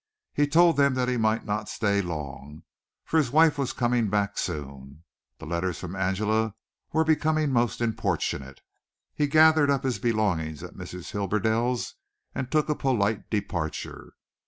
He told them that he might not stay long, for his wife was coming back soon. The letters from Angela were becoming most importunate. He gathered up his belongings at Mrs. Hibberdell's and took a polite departure.